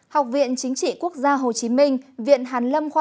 học viện chính trị quốc gia hồ chí minh